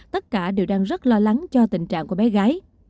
tất cả đều đang rất lo lắng cho tình trạng của bé gái